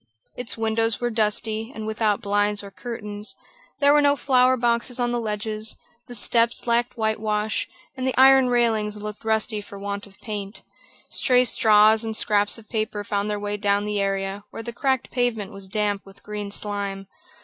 Its windows were dusty, and without blinds or curtains, there were no flower boxes on the ledges, the steps lacked whitewash, and the iron railings looked rusty for want of paint. Stray straws and scraps of paper found their way down the area, where the cracked pavement was damp with green slime.